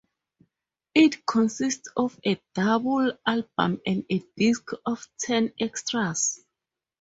It consists of a double album and a disc of ten extras.